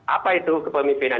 apa itu kepemimpinan